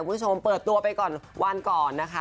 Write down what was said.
คุณผู้ชมเปิดตัวไปก่อนวันก่อนนะคะ